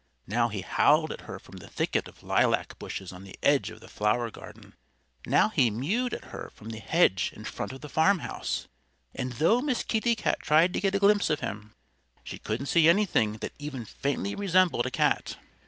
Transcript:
Now he howled at her from the thicket of lilac bushes on the edge of the flower garden. Now he mewed at her from the hedge in front of the farmhouse. And though Miss Kitty Cat tried to get a glimpse of him, she couldn't see anything that even faintly resembled a cat.